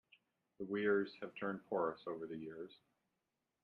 The weirs have turned porous over the years.